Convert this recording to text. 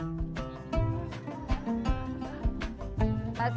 keduri ruahan ini diberikan kemampuan untuk mengingatkan diri kepada allah swt